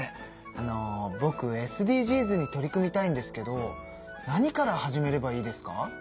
あのぼくＳＤＧｓに取り組みたいんですけど何から始めればいいですか？